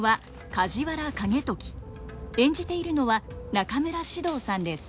演じているのは中村獅童さんです。